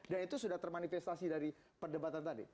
dan itu sudah termanifestasi dari perdebatan tadi